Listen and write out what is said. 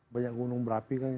banyak gunung berapi kan